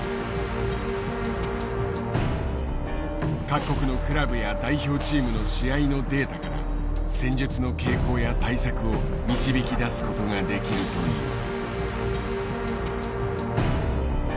各国のクラブや代表チームの試合のデータから戦術の傾向や対策を導き出すことができるという。